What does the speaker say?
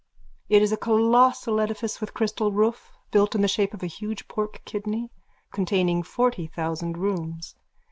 It is a colossal edifice with crystal roof, built in the shape of a huge pork kidney, containing forty thousand rooms.